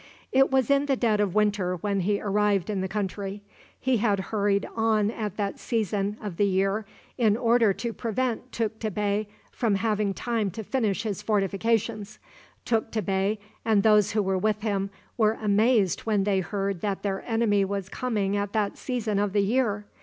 It was in the dead of winter when he arrived in the country. He had hurried on at that season of the year in order to prevent Tukta Bey from having time to finish his fortifications. Tukta Bey and those who were with him were amazed when they heard that their enemy was coming at that season of the year.